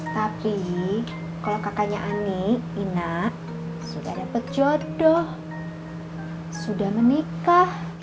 tapi kalau kakaknya aneh inak sudah dapat jodoh sudah menikah